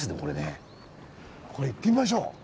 これ行ってみましょう。